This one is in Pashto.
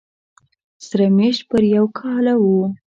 سره مېشت پر یو کاله و